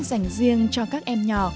dành riêng cho các em nhỏ